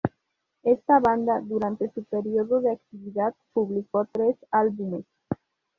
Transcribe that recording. Esta banda, durante su periodo de actividad, publicó tres álbumes.